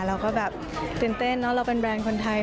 เราก็แบบตื่นเต้นเนอะเราเป็นแรนด์คนไทย